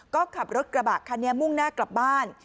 ก็ขับรถกระบะคันนี้มุ่งหน้ากลับบ้าน